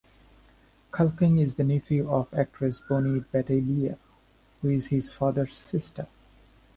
Culkin is the nephew of actress Bonnie Bedelia, who is his father's sister.